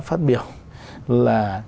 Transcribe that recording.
phát biểu là